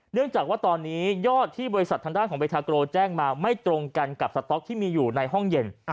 เนื่องจากว่าตอนนี้ยอดที่บริษัททางด้านของเบทาโกแจ้งมาไม่ตรงกันกับสต๊อกที่มีอยู่ในห้องเย็น